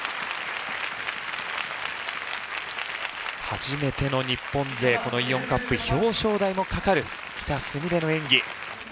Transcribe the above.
初めての日本勢このイオンカップ表彰台もかかる喜田純鈴の演技。